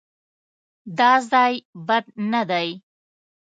_دا ځای بد نه دی.